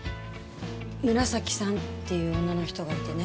紫さんっていう女の人がいてね。